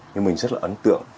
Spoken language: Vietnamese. nhưng mình rất là ấn tượng